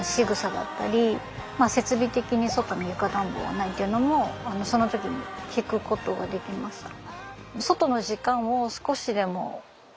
まあ設備的に外に床暖房はないっていうのもその時に聞くことができました。